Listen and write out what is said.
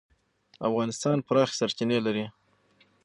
افغانستان پراخې سرچینې لري.